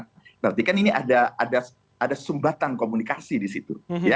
berarti kan ini ada sumbatan komunikasi disitu